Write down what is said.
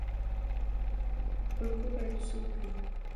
الګو باید څوک وي؟